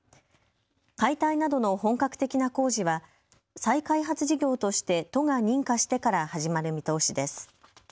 解体などの本格的な工事は再開発事業として都が認可してから始まる見通しです。